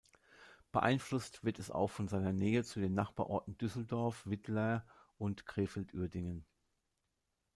Beeinflusst wird es auch von seiner Nähe zu den Nachbarorten Düsseldorf-Wittlaer und Krefeld-Uerdingen.